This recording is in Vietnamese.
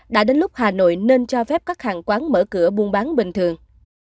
đã đến lúc hà nội nên cho phép các hàng quán mở cửa buôn bán bình thường